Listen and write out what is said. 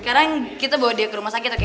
sekarang kita bawa dia ke rumah sakit